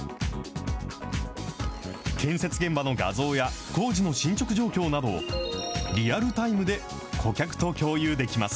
建設現場の画像や、工事の進捗状況などを、リアルタイムで顧客と共有できます。